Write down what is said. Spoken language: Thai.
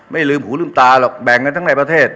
ไม่ลืมหูลืมตาหรอกแบ่งกันทั้งในประเทศ